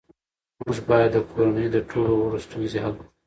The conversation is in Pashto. موږ باید د کورنۍ د ټولو غړو ستونزې حل کړو